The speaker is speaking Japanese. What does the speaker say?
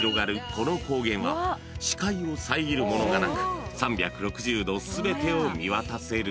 この高原は視界を遮るものがなく３６０度全てを見渡せる］